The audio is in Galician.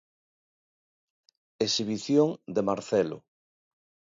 Exhibición de Marcelo.